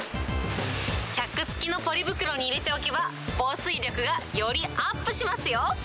チャックつきのポリ袋に入れておけば、防水力がよりアップしますよ。